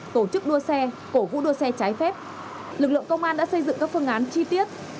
tổ chức đua xe cổ vũ đua xe trái phép lực lượng công an đã xây dựng các phương án chi tiết